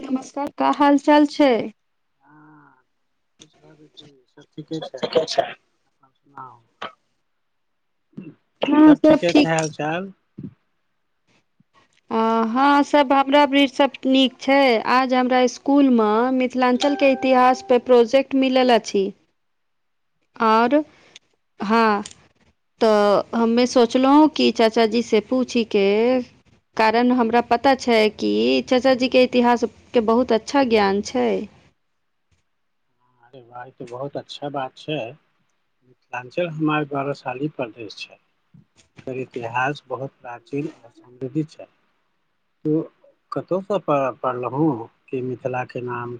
नमस्कार का हालचाल छैय। हँ सब ठीके छैय। हँ सब ठीके ठीक छैय हाल- चाल। आ हँ सब हमरा भी सब नीक छैय, आज हमरा स्कूल म मिथिलाञ्चल के इतिहास पे प्रोजेक्ट मिलल अछि। और अच्छा हँ त हमे सोचलौं कि चाचाजी से पूछिके कारण हमरा पता छैय कि चाचाजीके इतिहास के बहुत अच्छा ज्ञान छैय। अरे वाह इ त बहुत अच्छा बात छैय। मिथिलाञ्चल हमर गौरवशाली प्रदेश छैय। एकर इतिहास बहुत प्राचीन और समृद्ध छैय। त कतहुसँ प पढ़लहुँ कि मिथिलाके नाम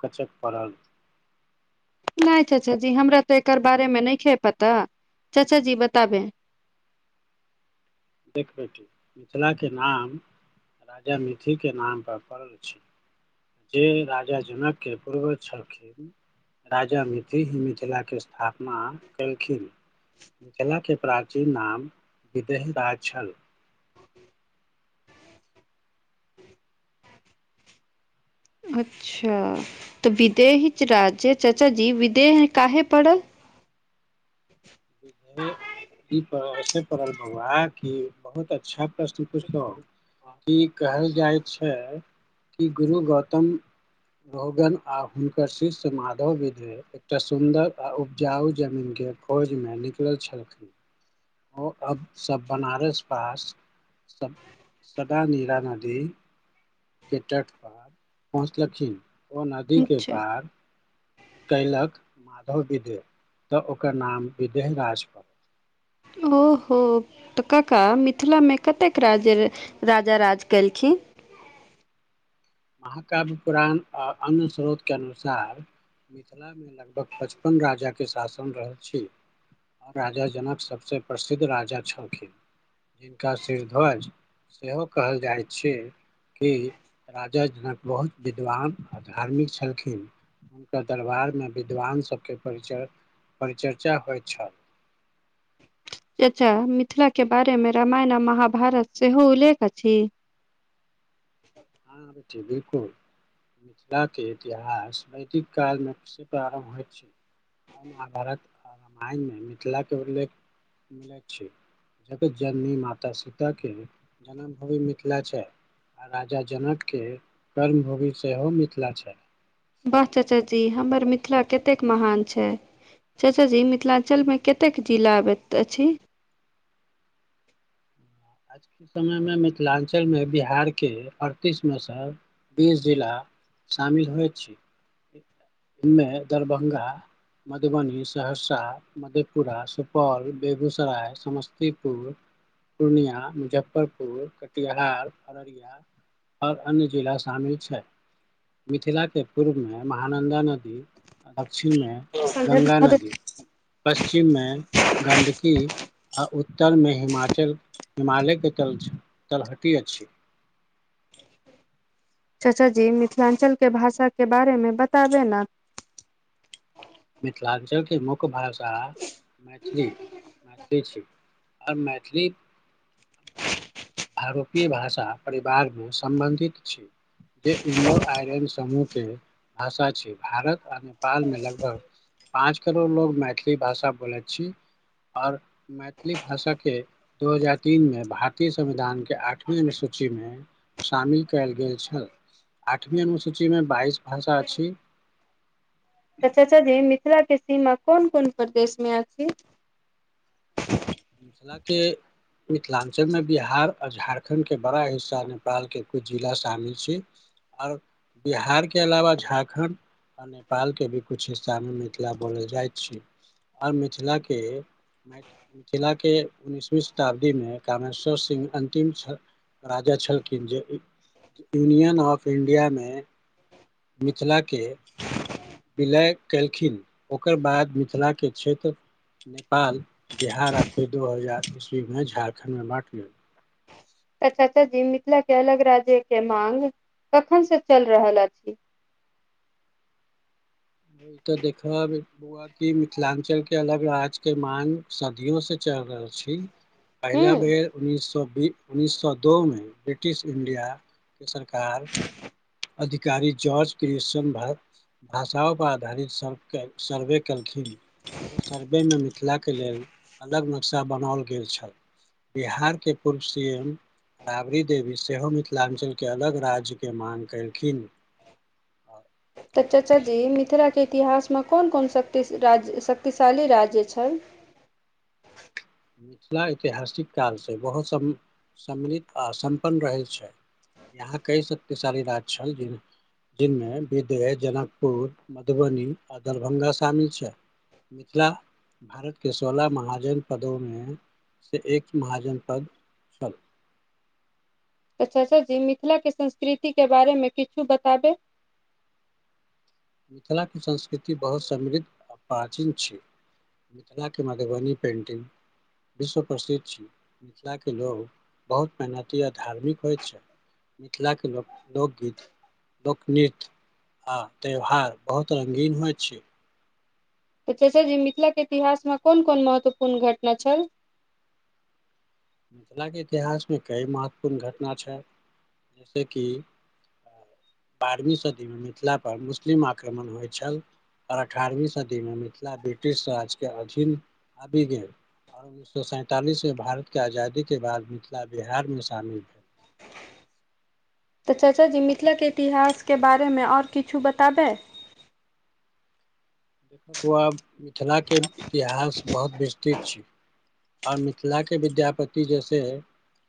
कचक परल नै चाचा जी हमरा त एकर बारेमे [unintelligible] पता चाचा जी बताबे। देख बेटी मिथिलाके नाम राजा मिथी के नाम पर पड़ल छैय। जे राजा जनकके पूर्वज छलखिन। राजा मिथी ही मिथिलाके स्थापना केलखिन। मिथिला के प्राचीन नाम विदेह राज छल। अच्छा त विदेही राज्य चाचा जी विदेह काहे पड़ल? इ ऐसे परल बौआ की बहुत अच्छा प्रश्न पुछलहु की कहल जाइ छैय कि गुरु गौतम रोगन आ हुनकर शिष्य माधव विदेह भेल एकटा सुन्दर आ उपजाउ जमीनके खोजमे निकलल छलखिन। ओ अब सब बनारस पास सद सदा नीरा नदी के तट पर पहुँचलखिन ओ नदीके अच्छा पार कयलक माधव विदेह त ओकर नाम विदेह राज प ओहो त कका मिथिलामे कतेक राज राजा राज केलखिन? महाकाव्य पुराण आ अन्य स्रोतके अनुसार मिथिलामे लगभग पचपन राजाके शासन रहल छी। आ राजा जनक सबसे प्रसिद्ध राजा छलखिन। जिनका सिरध्वज सेहो कहल जाइ छैय कि राजा जनक बहुत विद्वान आ धार्मिक छलखिन। हुनकर दरबारमे विद्वानसभके परिचय परिचर्चा होइत छल। चचा मिथिलाके बारेमे रामायण आ महाभारत सेहो उल्लेख अछि? हँ बेटी बिलकुल। मिथिलाके इतिहास वैदिक कालमे बेसी प्रारम्भ होइ छैय। आ महाभारत आ रामायणमे मिथिलाके उल्लेख मिलैत छी। जगत जननी माता सीताके जन्म भूमि मिथिला छैय आ राजा जनकके कर्मभूमि सेहो मिथिला छैय। वाह चचा जी हमर मिथिला केतेक महान छैय। चाचा जी मिथिलाञ्चलमे कतेक जिला अबैत अछि? आजके समयमे मिथिलाञ्चलमे बिहारके अड़तीसमे स बीस जिला सामिल हो छी। इमे दरभंगा मधुबनी, सहरसा, मधेपुरा, सुपौल, बेगूसराय समस्तीपुर पूर्णिया, मुजफ्फरपुर, कटिहार, अररिया आऔर अन्य जिला शामिल छै, मिथिला के पूर्वमे महान नन्दा नदी अक्षिणमे गङ्गा नदी। पश्चिममे गण्डकी। आ उत्तरमे हिमाचल, हिमालयके तल- तलहटी अछि। चचा जी मिथिलाञ्चल के भाषा के बारे में बताबे ने। मिथिलाक्षर के मुख्य भाषा। मैथिली-मैथिली छी, अब मैथिली आरोपीय भाषा परिवार में सम्बन्धित छी। जे इंडो आयरन समूह के भाषा छै, भारत आ नेपाल में लगभग पाँच करोड़ लोग मैथिली भाषा बोलैत छी, आओर मैथिली भाषा के दू हजार तीन मे भारतीय संविधान के आठवीं अनुसूची में शामिल कयल गेल छल। आठमी अनुसूची में बाइस भाषा अछी। तऽ चाचाी मिथिला के सीमा कोन- कोन प्रदेश मे अछि। मिथिला के। मिथिलाञ्चल में बिहार आ झारखण्ड के बड़ा हिस्सा नेपाल के कुछ जिला शामिल छै। आओर बिहार के अलावा झारखण्ड आ नेपाल के भी कुछ हिस्सा में मिथिला बोलल जाइत छै। आओर मिथिला के मिथिला के उन्नीसवीं शताब्दी में कामेश्वर सिंह अंतिम राजा छलखिन जे, यूनियन ऑफ इंडिया में मिथिला के विलय केलखिन, ओकर बाद मिथिलाके क्षेत्र नेपाल बिहार आ फेर दू हजार ईस्वी में झारखण्ड मे बाँट गेल। तऽ चाचा जी मिथिला के अलग राज्य के माग कखन से चल रहल अछि। ओहि तऽ देखबा ह कि मिथिलांचल के अलग राज्य के मांग सदियो से चल रहल छी। पहिला हूँ बेर उन्नीस सौ बी- उन्नीस सए दो में ब्रिटिश इंडिया के सरकार अधिकारी जॉर्ज क्रिस्न भाषा आधारित सर्व- सर्वे केलखिन। ओ सर्वेमे मिथिलाके लेल अलग नक्शा बनाओल गेल छल। बिहार के पूर्व सी एम राबड़ी देवी सेहो मिथिलाञ्चलके अलग राज्यके माँग कयेलखिन। ह [inaudible] तऽ चाचा जी मिथिलाके इतिहासमे कोन- कोन शक्ति राज शक्तिशाली राज्य छैन। मिथिला ऐतिहासिक कालसँ बहुत सम- सम्मिलित आ सम्पन्न रहै छै। यहाँ कई शत्तिशाली राज्य छल। जी नमे विदय, जनकपुर, मधुबनी आ दरभ्गा शामिल छै। मिथिला भारत के सोलह महाजन पदो में से एक महाजन पद छल तऽ चाचा जी मिथिलाक के संस्कृति के बारे में किछु बताबे। मिथिलाके संस्कृति बहुत समृद्ध आ प्राचीन छै मिथिलाके मधुबनी पेंटिंग विश्व प्रसिद्ध छी मिथिलाके लोग बहुत मेहनती आ धार्मिक होइत छथि मिथिलाके लोक लोकगीत लोकनृत्य आ त्यौहार बहुत रंगिन होइत छै तऽ चच्चा जी मिथिला के इतिहास मे कोन-कोन महत्वपूर्ण घटना छल मिथिलाके इतिहासमे कई महत्वपूर्ण घटना छल। जैसे कि बारमी सदीमे मिथिलापर मुस्लिम आक्रमण होइ छल आ अठारवी सदी मे मिथिला ब्रिटिश राज्वाज के अधीन आबि गेल आ उन्नीस सौ सैंतालिस में भारत के आजादी के बाद मिथिला बिहार में शामिल भेल तऽ चाचा जी मिथिलाके इतिहासके बारेमे ओर किछु बताबै देख बौआ मिथिलाके इतिहास बहुत विस्तृत छी और मिथिलाके विद्यापति जैसे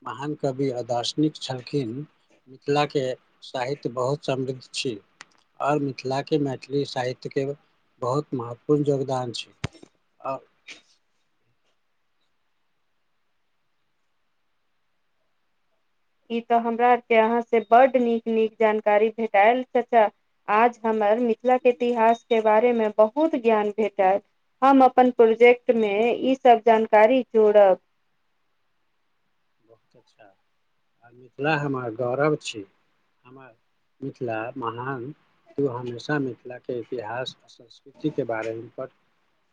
महान कवि अदार्शनिक छलखिन मिथिलाके साहित्य बहुत समृद्ध छी आर मिथिला के मैथिली साहित्य के बहुत महत्वपूर्ण योगदान छै आ ई तऽ हमरा आर के अहा से बड नीक-नीक जानकारी भेटाएल चच्चा आज हमर मिथिलाके इतिहासके बारेमे बहुत ज्ञान भेटेल हम अपन प्रोजेक्ट मे ई सब जानकारी जोड़ब बहुत अच्छा आ मिथिला हमर गौरव छै। मिथिला महान तू हमेशा मिथिला के इतिहास में स संकृति के बारेमे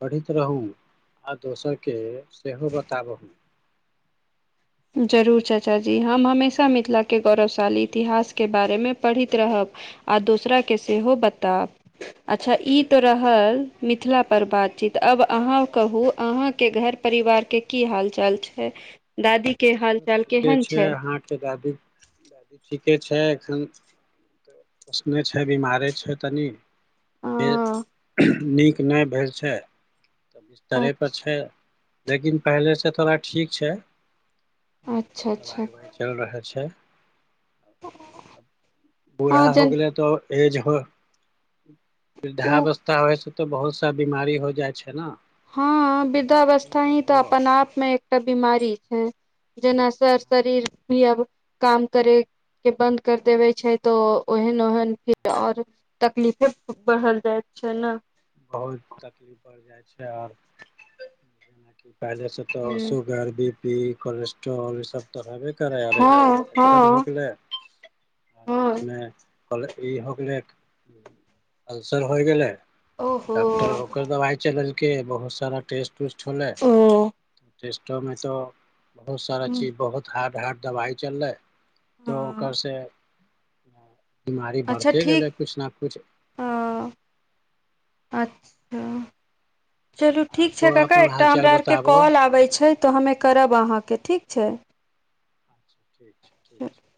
पढ़ैत रहू आ दोसरके सेहो बताबहू जरूर चाचा जी हम हमेशा मिथिलाके गौरवशाली इतिहासके बारेमे पढ़ैत रहब आ दोसरा के सेहो बताब अच्छा ई तऽ रहल मिथिलापर बातचीत आब अहाँ कहू अहाँके घर परिवार के की हाल चाल छै दादी के सब ठीके छै अहाँके दादी दादी ठीके छै एखनऽ पोसने छै बमारे छै तनी से अ नीक नहि भेल छै बिस्तरे पर अच्छा छै लेकिन पहिलेसँ थोड़ा ठीक छै। अच्छा अच्छा दबाइ-उबाइ चलि रहल छै हँ बूड़हा हो जन गेलै तऽ एज हो ओ वृद्धाअवस्था होए छै तऽ बहुत सारा बिमारी हो जाइ छै नऽ हँ वृद्धाअवस्था ही तऽ अपन आप मे एकटा बीमारी छै जेना सर शरीर भी अब काम करै के बन्द कर देबे छै तऽ ओहन ओहन फेर ओर तकलीफे बढ़ल जाइत छै नऽ बहुत तकलीफ बढ़ जाइ छै आर जेनाकि पहिले से तऽ हूँ sugar B P cholesterol ई सब तो हेबे करैरठ हँ इन्फेक्शन हो हँ गेलै आ हँ बीचमे कल ई हो गेलै अल्सर हो गेलै ओहो डॉक्टर ओकर दबाइ चलेलकै बहुत सारा टेस्ट उस्ट होलै ओ टेस्टो में तऽ बहुत सारा चीज बहुत हार्ड हार्ड दवाइ चलले तऽ हँ ओकर से नै बिमारी बढ़ते गेलै कुछ न कुछ हां अच्छा चलू ठीक छै आर कका अपन एकटा हालचाल हमरा आरके बताबह कॉल आबय छै तऽ हमे करब अहाँके ठीक छै। अच्छा, ठीक छै, ठीक छै।